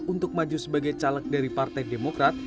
untuk maju sebagai caleg dari partai demokrat